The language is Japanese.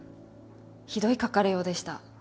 ひどい書かれようでした。